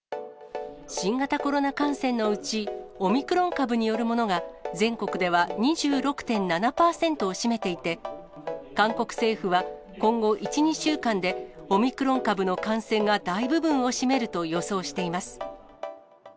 新型コロナ感染のうち、オミクロン株によるものが全国では２６．７％を占めていて、韓国政府は、今後１、２週間で、オミクロン株の感染が大部分を占めると予想しています。